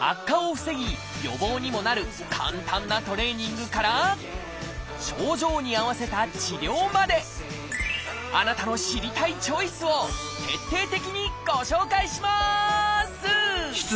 悪化を防ぎ予防にもなる簡単なトレーニングからあなたの知りたいチョイスを徹底的にご紹介します！